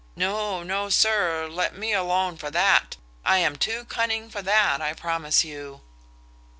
No, no, sir, let me alone for that. I am too cunning for that, I promise you."